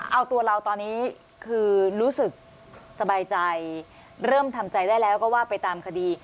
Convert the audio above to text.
เอาตัวเราตอนนี้คือรู้สึกสบายใจเริ่มทำใจได้แล้วก็ว่าไปตามคดี